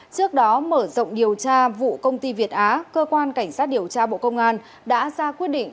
trước đó mở rộng điều tra vụ công ty việt á cơ quan cảnh sát điều tra bộ công an đã ra quyết định